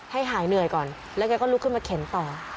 ให้หายเหนื่อยก่อนแล้วแกก็ลุกขึ้นมาเข็นต่อ